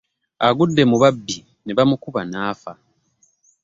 Agudde mu babbi ne bamukuba n'afa.